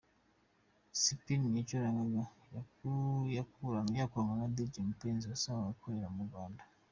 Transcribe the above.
Spinny yacurangaga yakuranwa na Dj Mpenzi usanzwe akorera mu Rwanda.